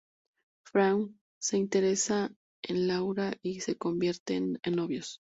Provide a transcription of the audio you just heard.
Frank se interesa en Laura y se convierten en novios.